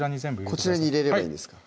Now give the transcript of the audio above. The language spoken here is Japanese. こちらに入れればいいんですか